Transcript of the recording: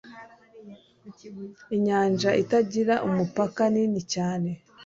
inyanja itagira umupaka nini cyane